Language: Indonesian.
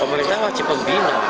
pemerintah wajib membina